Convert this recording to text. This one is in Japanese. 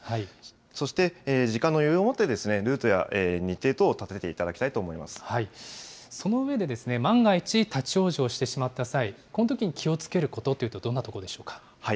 そして、時間の余裕を持ってルートや日程等を立てていただきたいその上で、万が一、立往生してしまった際、このときに気をつけることというのはどんなところでしょうか。